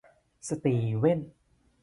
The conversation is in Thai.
สตีเว่นส์